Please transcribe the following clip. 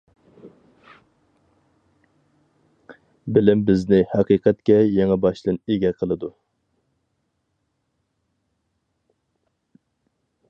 بىلىم بىزنى ھەقىقەتكە يېڭىباشتىن ئىگە قىلىدۇ.